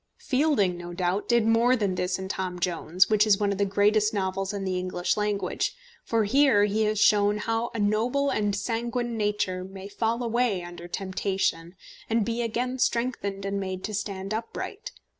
Fielding, no doubt, did more than this in Tom Jones, which is one of the greatest novels in the English language, for there he has shown how a noble and sanguine nature may fall away under temptation and be again strengthened and made to stand upright.